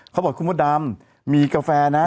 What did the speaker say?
เขาบอกคุณมดดำมีกาแฟนะ